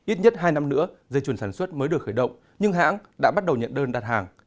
ít nhất hai năm nữa dây chuyền sản xuất mới được khởi động nhưng hãng đã bắt đầu nhận đơn đặt hàng